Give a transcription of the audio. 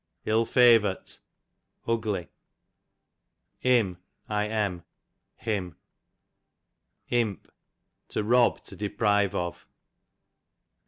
Ill favort, ugly. Im, him. Imp, to rob, to deprive of.